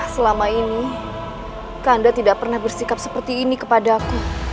selama ini kanda tidak pernah bersikap seperti ini kepada aku